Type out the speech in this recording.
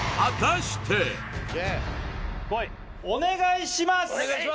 お願いします！